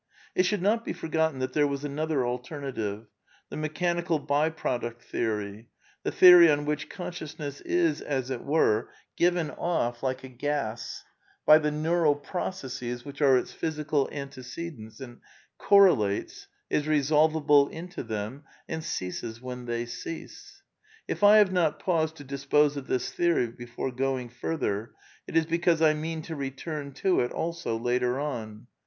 It should not be forgotten that there was another alter native, the mechanical by product theory, the theory on which consciousness is, as it were, given off (like a gas) by the neural processes which are its physical antecedents and correlates, is resolvable into them, and ceases when they cease. If I have not paused to dispose of this theory before going further it is because I mean to return to it also later on.